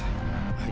はい。